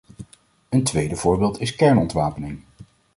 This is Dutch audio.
Een tweede voorbeeld is kernontwapening.